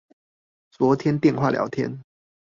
昨天電話聊天